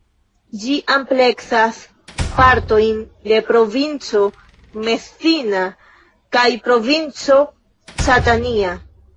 Ĝi ampleksas partojn de provinco Messina kaj provinco Catania.